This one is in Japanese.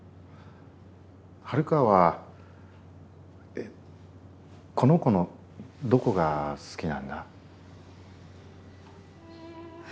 ハルカは「この子」のどこが好きなんだ？